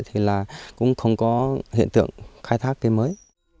thì là cũng không có hiện tượng khai thác cây mới